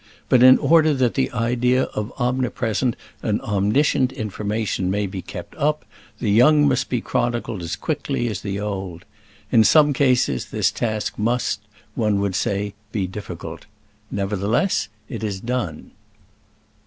But in order that the idea of omnipresent and omniscient information may be kept up, the young must be chronicled as quickly as the old. In some cases this task must, one would say, be difficult. Nevertheless, it is done.